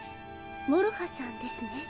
もろはさんですね。